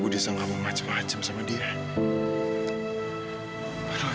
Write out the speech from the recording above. terimakasih telah menonton